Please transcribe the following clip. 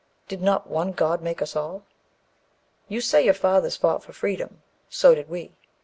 Did not one God make us all? You say your fathers fought for freedom; so did we.